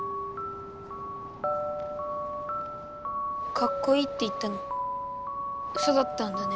かっこいいって言ったのウソだったんだね。